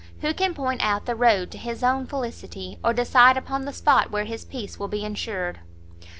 who can point out the road to his own felicity, or decide upon the spot where his peace will be ensured!"